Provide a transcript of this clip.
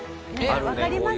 わかります？